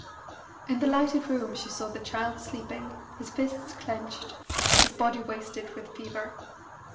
In the lighted room she saw the child sleeping, his fists clenched, his body wasted with fever.